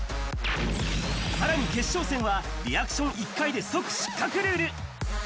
さらに決勝戦は、リアクション１回で即失格ルール。